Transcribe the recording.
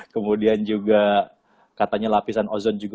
kemudian juga katanya lapisan ozon juga